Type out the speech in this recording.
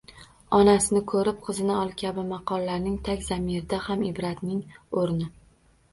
«Onasini ko‘rib, qizini ol» kabi maqollarning tag zamirida ham ibratning o‘rni